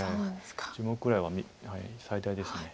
１０目ぐらいは最大です。